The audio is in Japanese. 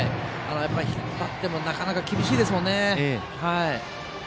引っ張ってもなかなか厳しいですものね。